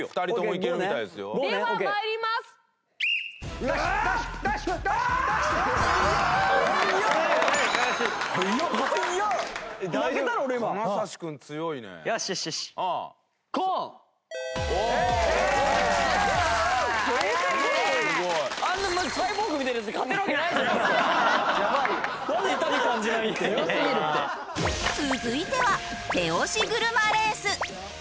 続いては手押し車レース